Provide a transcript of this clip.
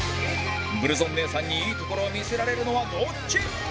ブルゾン姉さんにいいところを見せられるのはどっち？